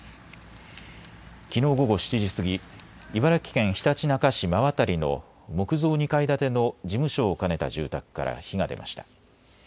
きのう午後７時過ぎ、茨城県ひたちなか市馬渡の木造２階建ての事務所を兼ねた住宅から火が出ました。